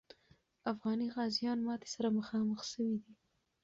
افغاني غازیان ماتي سره مخامخ سوي دي.